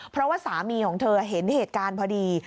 เพราะว่าสามีของเธอเห็นเหตุการณ์พอดี